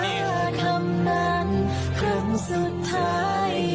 เคียงกันไปช่างนี้